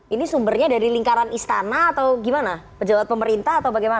ini sumbernya dari lingkaran istana atau gimana pejabat pemerintah atau bagaimana